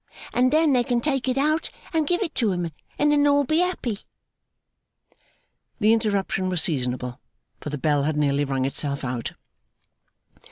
and then they can take it out and give it to him, and then all be happy!' The interruption was seasonable, for the bell had nearly rung itself out.